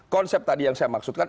konsep tadi yang saya maksudkan